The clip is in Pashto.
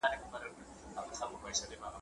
چي یې ومانه خطر وېره ورکیږي ,